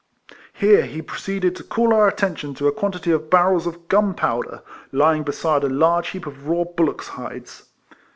Here he proceeded to call our attention to a quantity of barrels of gun* powder lying beside a large heap of raw bullock's hides.